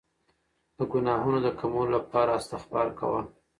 د ګناهونو د کمولو لپاره استغفار کوه.